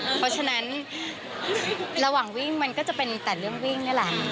เพราะฉะนั้นระหว่างวิ่งมันก็จะเป็นแต่เรื่องวิ่งนี่แหละ